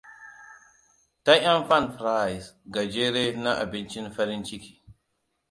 Ta 'yan fan fries gajere na Abincin Farin Ciki.